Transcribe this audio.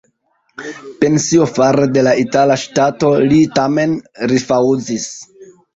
Pension fare de la itala ŝtato li tamen rifŭzis.